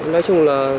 nói chung là